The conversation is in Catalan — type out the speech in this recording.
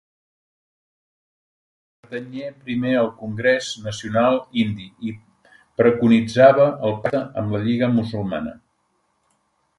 Pertanyé primer al Congrés Nacional Indi i preconitzava el pacte amb la Lliga Musulmana.